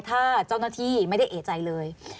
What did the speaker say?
ถ้าเจ้าหน้าที่ไม่ได้เอกใจเลย